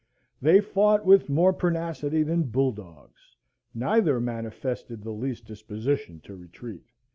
They fought with more pertinacity than bull dogs. Neither manifested the least disposition to retreat.